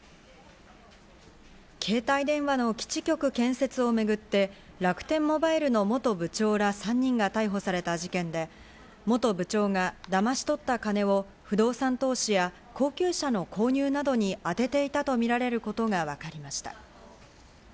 携帯電話の基地局建設をめぐって楽天モバイルの元部長ら３人が逮捕された事件で、元部長が、だまし取った金を不動産投資や高級車の購入などに、あてていたとみられることがわかりました。